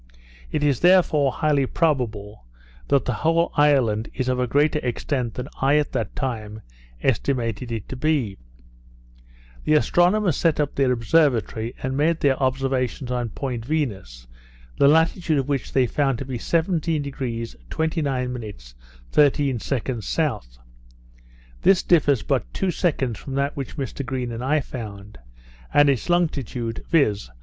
It is therefore highly probable, that the whole island is of a greater extent than I, at that time, estimated it to be. The astronomers set up their observatory, and made their observations on Point Venus, the latitude of which they found to be 17° 29' 13" south. This differs but two seconds from that which Mr Green and I found; and its longitude, viz.